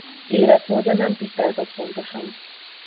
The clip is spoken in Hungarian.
Életmódja nem tisztázott pontosan.